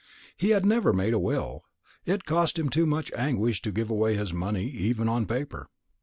He had never made a will; it cost him too much anguish to give away his money even on paper.